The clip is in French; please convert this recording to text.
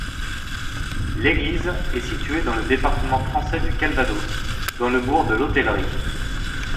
L'église est située dans le département français du Calvados, dans le bourg de L'Hôtellerie.